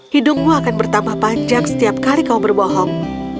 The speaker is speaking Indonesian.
hidungmu akan bertambah panjang setiap kali kau berbohong